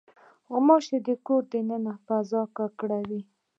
غوماشې د کور د دننه فضا ککړوي.